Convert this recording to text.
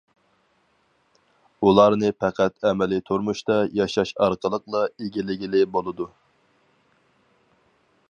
ئۇلارنى پەقەت ئەمەلىي تۇرمۇشتا ياشاش ئارقىلىقلا ئىگىلىگىلى بولىدۇ.